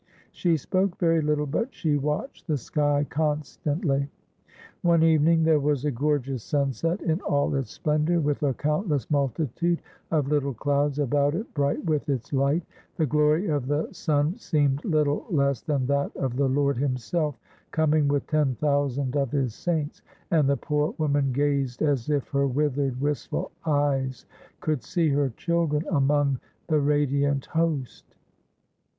She spoke very little, but she watched the sky constantly. One evening there was a gorgeous sunset. In all its splendor, with a countless multitude of little clouds about it bright with its light, the glory of the sun seemed little less than that of the Lord Himself, coming with ten thousand of His saints, and the poor woman gazed as if her withered, wistful eyes could see her children among the radiant host.